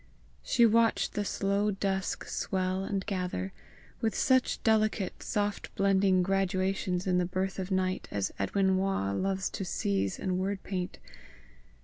She watched the slow dusk swell and gather with such delicate, soft blending gradations in the birth of night as Edwin Waugh loves to seize and word paint.